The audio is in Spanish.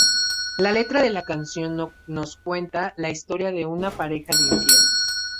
La letra de la canción nos cuenta la historia de una pareja de infieles.